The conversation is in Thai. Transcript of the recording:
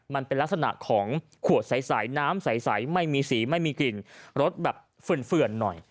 มันเป็นลักษณะของขวดใสน้ำใสไม่มีสีไม่มีกลิ่นรสแบบเฝื่อนหน่อย